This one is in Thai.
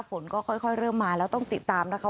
ฝนก็ค่อยเริ่มมาแล้วต้องติดตามนะคะ